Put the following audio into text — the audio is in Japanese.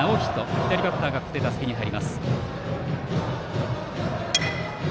左バッターが打席に入ります。